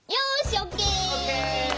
オッケー！